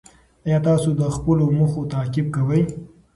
ایا تاسو د خپلو موخو تعقیب کوئ؟